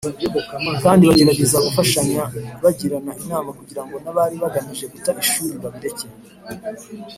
kandi bagerageza gufashanya bagirana inama kugira ngo n’abari bagamije guta ishuri babireke.